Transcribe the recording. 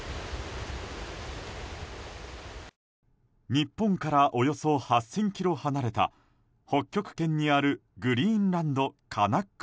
日本からおよそ８０００ｋｍ離れた北極圏にあるグリーンランドカナック